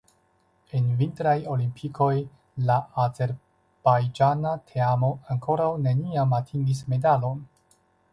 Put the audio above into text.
En Vintraj Olimpikoj la azerbajĝana teamo ankoraŭ neniam atingis medalon.